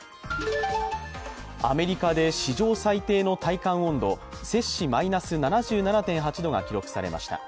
アメリカで史上最低の体感温度、摂氏マイナス７７．８度が記録されました。